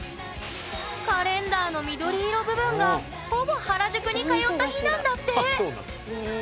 カレンダーの緑色部分がほぼ原宿に通った日なんだって！